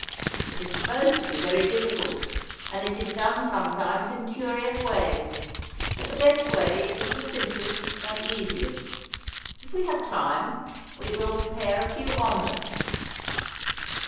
It is supposed to be very difficult, and it is done sometimes in curious ways; but the best way is the simplest and easiest. If we have time we will prepare a few omelettes.